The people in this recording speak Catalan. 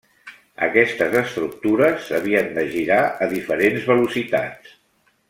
Aquestes estructures havien de girar a diferents velocitats.